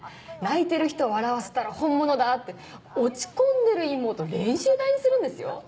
「泣いてる人笑わせたら本物だ！」って落ち込んでる妹練習台にするんですよ？